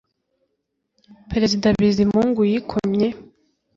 perezida bizimungu yikomye